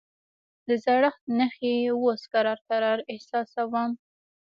د زړښت نښې اوس کرار کرار احساسوم.